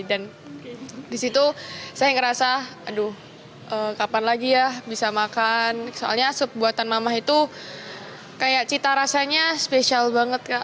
dan di situ saya ngerasa aduh kapan lagi ya bisa makan soalnya sup buatan mama itu kayak cita rasanya spesial banget kak